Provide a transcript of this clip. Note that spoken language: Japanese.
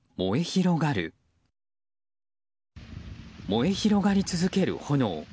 燃え広がり続ける炎。